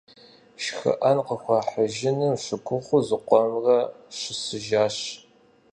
ШхыӀэн къыхуахьыным щыгугъыу зыкъомрэ щысыжащ.